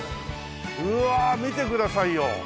うわ見てくださいよ。